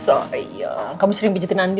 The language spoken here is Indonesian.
aku udah selesai